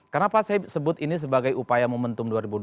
kenapa saya sebut ini sebagai upaya momentum dua ribu dua puluh